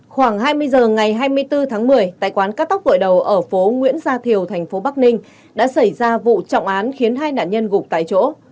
khoảng hai mươi h ngày hai mươi bốn tháng một mươi tại quán cắt tóc gội đầu ở phố nguyễn gia thiều thành phố bắc ninh đã xảy ra vụ trọng án khiến hai nạn nhân gục tại chỗ